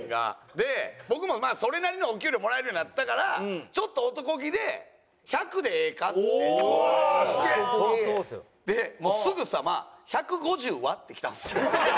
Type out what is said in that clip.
で僕もそれなりのお給料もらえるようになったからちょっと男気で「１００でええか？」って。おお！ですぐさま「１５０は？」って来たんですよ。